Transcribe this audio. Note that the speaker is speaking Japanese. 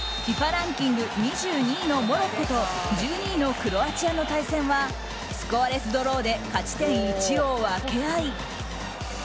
ランキング２２位のモロッコと１２位のクロアチアの対戦はスコアレスドローで勝ち点１を分け合いＦＩＦＡ